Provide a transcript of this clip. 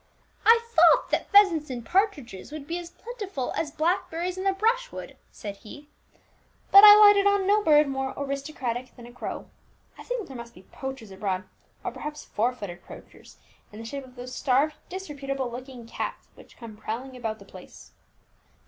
"I thought that pheasants and partridges would be plentiful as blackberries in the brushwood," said he; "but I lighted on no bird more aristocratic than a crow. I think that there must be poachers abroad, or perhaps four footed poachers, in the shape of those starved, disreputable looking cats which come prowling about the place."